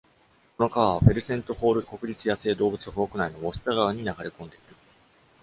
この川はフェルセントホール国立野生動物保護区内のウォシタ川に流れ込んでいる。